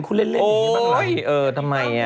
ทำไม